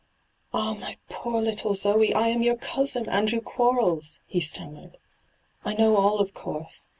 ' Oh, my poor little Zoe, I am your cousin, Andrew Quarles I' he stammered. ' I know all, of course.